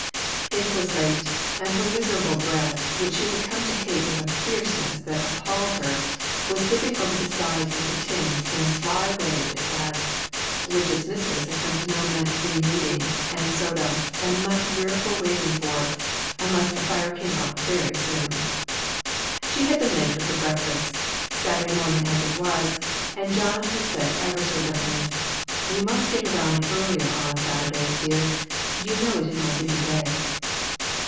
p6 A SMOKY ATMOSPHERE. It was late, and her miserable bread, which she had come to hate with a fierceness that appalled her, was slipping over the sides of the tins in a sly way that it had, which its mistress had come to know meant rekneading, and soda, and much weariful waiting for, unless the fire came up very soon. She had been late with her breakfast, Saturday morning as it was, and John had said ever so gently "We must get around earlier on Saturdays, dear ; you know it is my busy day."